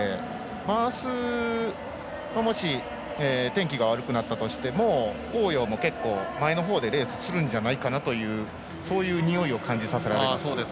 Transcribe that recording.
あす、天気が悪くなっても王洋も結構前のほうでレースするんじゃないかなというにおいを感じさせられました。